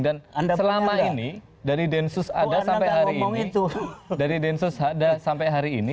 dan selama ini dari densus ada sampai hari ini